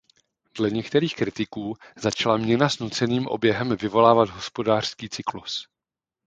Dle některých kritiků začala měna s nuceným oběhem vyvolávat hospodářský cyklus.